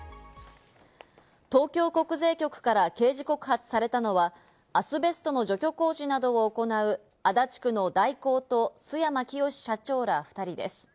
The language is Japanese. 東京国税局から刑事告発されたのは、アスベストの除去工事などを行う、足立区の大光と須山潔社長ら２人です。